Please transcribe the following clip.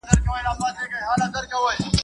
o خپل، خپل، پردى په ډېرو نارو خپل.